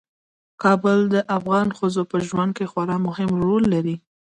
کابل د افغان ښځو په ژوند کې خورا مهم رول لري.